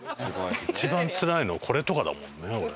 一番つらいのこれとかだもんね俺。